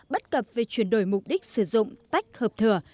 bất cập về chuyển đổi mục đích sử dụng tách hợp thừa